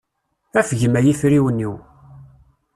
Afgem ay afriwen-iw.